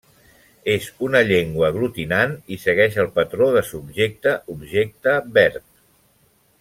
És una llengua aglutinant i segueix el patró de subjecte–objecte–verb.